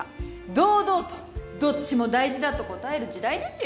堂々とどっちも大事だと答える時代ですよ